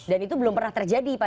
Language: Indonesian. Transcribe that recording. dan itu belum pernah terjadi